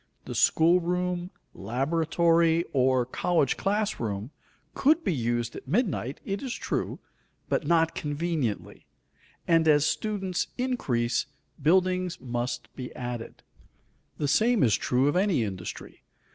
The school room, laboratory, or college class room could be used at midnight, it is true, but not conveniently; and as students increase, buildings must be added. The same is true of any industry.